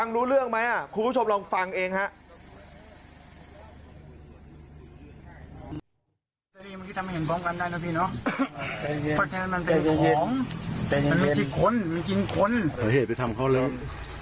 เมื่อกี้ทำให้เห็นพร้อมการได้แล้วพี่เนอะเพราะฉะนั้นมันเป็นของแต่มันไม่ใช่คนมันจริงคนอะไรเหตุไปทำเขาแล้ว